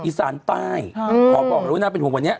อีสานใต้ขอบอกเลยว่าน่าเป็นห่วงวันนี้